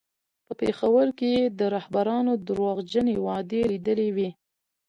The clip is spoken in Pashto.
په پېښور کې یې د رهبرانو درواغجنې وعدې لیدلې وې.